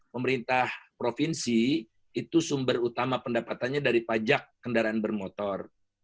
pemerintah provinsi itu sumber utama pendapatannya dari pajak kendaraan bermotor